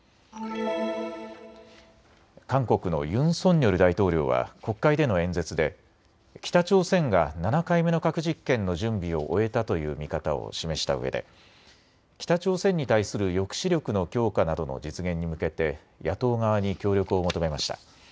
韓国のユン・ソンニョル大統領は国会での演説で北朝鮮が７回目の核実験の準備を終えたという見方を示したうえで北朝鮮に対する抑止力の強化などの実現に向けて野党側に協力を求めました。